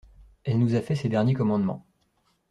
Elle nous a fait ses derniers commandements.